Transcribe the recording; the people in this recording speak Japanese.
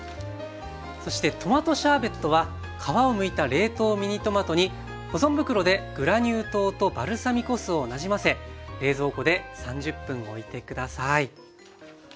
そしてトマトシャーベットは皮をむいた冷凍ミニトマトに保存袋でグラニュー糖とバルサミコ酢をなじませ冷蔵庫で３０分おいて下さい。